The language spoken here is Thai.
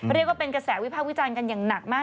เรียกว่าเป็นกระแสวิพากษ์วิจารณ์กันอย่างหนักมาก